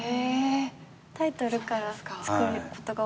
タイトルから作ることが多いです。